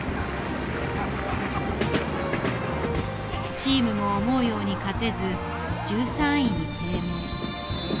チームも思うように勝てず１３位に低迷。